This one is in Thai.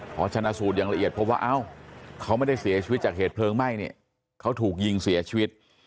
พอชนะสูตรอย่างละเอียดพบว่าเอ้าเขาไม่ได้เสียชีวิตจากเหตุเพลิงไหม้เนี่ยเขาถูกยิงเสียชีวิต